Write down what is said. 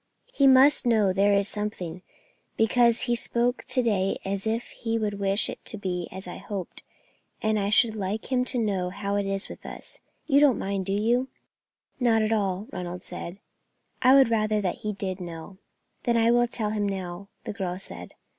He must know there is something, because he spoke to day as if he would wish it to be as I hoped, and I should like him to know how it is with us. You do not mind, do you?" "Not at all," Ronald said. "I would rather that he did know." "Then I will tell him now," the girl said.